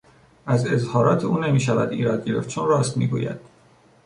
از اظهارات او نمیشود ایراد گرفت چون راست میگوید.